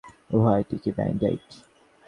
উহ, এটা কি ব্যান্ড-এইড?